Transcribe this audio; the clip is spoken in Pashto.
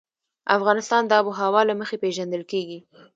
افغانستان د آب وهوا له مخې پېژندل کېږي.